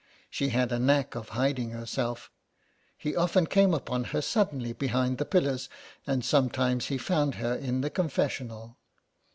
She had a knack of hiding herself — he often came upon her suddenly behind the pillars, and sometimes he found her in the confessional.